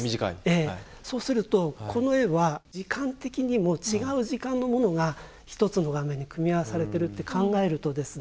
ええそうするとこの絵は時間的にも違う時間のものが１つの画面に組み合わされてるって考えるとですね